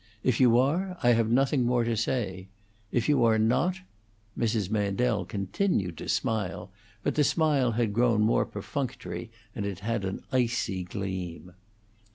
If you are, I have nothing more to say. If you are not " Mrs. Mandel continued to smile, but the smile had grown more perfunctory, and it had an icy gleam.